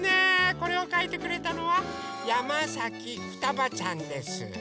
これをかいてくれたのはやまさきふたばちゃんです。